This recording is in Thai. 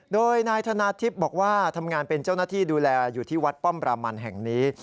โดยนายธนาทิพย์บอกว่าทำงานเป็นเจ้าหน้าที่ดูแลอยู่ที่วัดป้อมรามันแห่งนี้